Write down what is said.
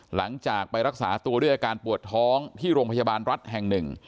หลังจากไปรักษาตัวด้วยอาการปวดท้องที่โรงพยาบาลรัฐแห่งหนึ่ง